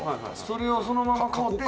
それをそのまま買うて。